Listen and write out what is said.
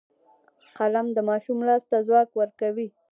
قلم د ماشوم لاس ته ځواک ورکوي